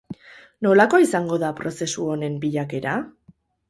Nolakoa izango da prozesu honen bilakera?